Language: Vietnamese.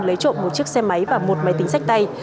lấy trộm một chiếc xe máy và một máy tính sách tay